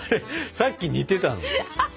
さっき似てたのに。